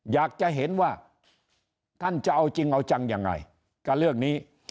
อยากจะเห็นว่าท่านจะเอาจริงเอาจังยังไงกับเรื่องนี้